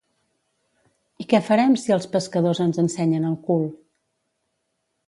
I què farem si els pescadors ens ensenyen el cul?